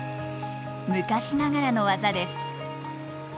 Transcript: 昔ながらの技です。